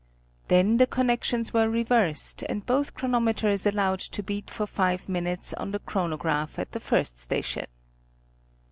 Then the connections were reversed and both chronometers allowed to beat for five minutes on the chronograph at the first station.